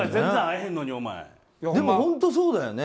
本当そうだよね。